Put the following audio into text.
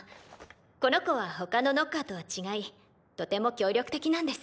この子は他のノッカーとは違いとても協力的なんです。